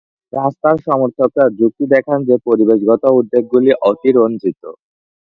রাস্তার সমর্থকরা যুক্তি দেখান যে পরিবেশগত উদ্বেগগুলি অতিরঞ্জিত।